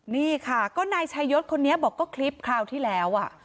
นี่ค่ะก็นายชายศคนนี้บอกก็คลิปคราวที่แล้ว